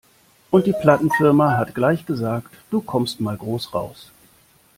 Und die Plattenfirma hat gleich gesagt, du kommst mal groß raus.